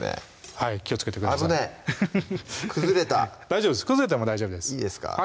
はい気をつけてください危ない崩れた大丈夫です崩れても大丈夫ですいいですか？